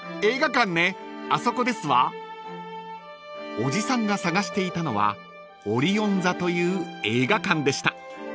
［おじさんが探していたのはオリオン座という映画館でした］